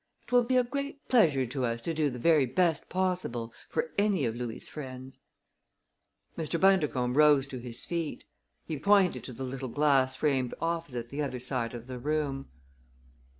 "It will be a great pleasure to us to do the very best possible for any of Louis' friends." Mr. Bundercombe rose to his feet. He pointed to the little glass framed office at the other side of the room.